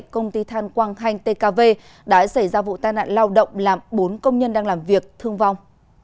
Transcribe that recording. công ty than quang hành tkv đã xảy ra vụ tai nạn lao động làm bốn công nhân đang làm việc thương vong